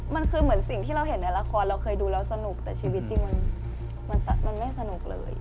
มันคือเหมือนสิ่งที่เราเห็นในละครเราเคยดูแล้วสนุกแต่ชีวิตจริงมันไม่สนุกเลย